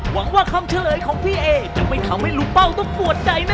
หวังว่าคำเฉลยของพี่เอจะไม่ทำให้ลุงเป้าต้องปวดใจนะ